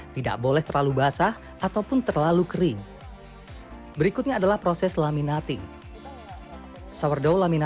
faktor suhu sangat berpengaruh terhadap proses mekar adonan